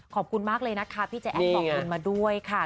ขอบคุณมากเลยนะคะพี่ใจแอ้นขอบคุณมาด้วยค่ะ